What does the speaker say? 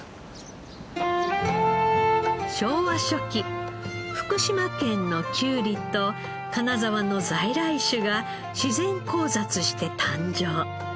昭和初期福島県のきゅうりと金沢の在来種が自然交雑して誕生。